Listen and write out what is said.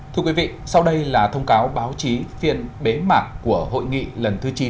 thưa quý vị sau đây là thông cáo báo chí phiên bế mạc của hội nghị lần thứ chín